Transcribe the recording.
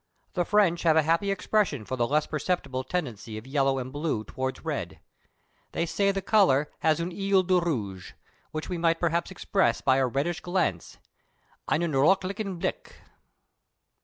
The French have a happy expression for the less perceptible tendency of yellow and blue towards red: they say the colour has "un œil de rouge," which we might perhaps express by a reddish glance (einen röthlichen blick).